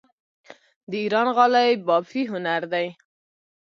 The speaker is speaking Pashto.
د ایران غالۍ بافي هنر دی.